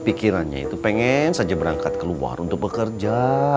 pikirannya itu pengen saja berangkat keluar untuk bekerja